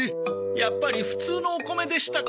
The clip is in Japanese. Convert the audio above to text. やっぱり普通のお米でしたか。